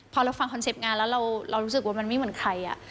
พอเราฟังคอนเซ็ปต์งานแล้วเรารู้สึกว่ามันไม่เหมือนใคร